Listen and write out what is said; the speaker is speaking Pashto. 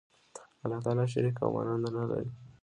الله تعالی شریک او ماننده نه لری